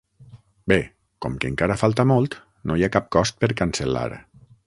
Bé, com que encara falta molt no hi ha cap cost per cancel·lar.